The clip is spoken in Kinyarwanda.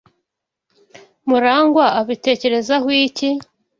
Murangwa abitekerezaho iki?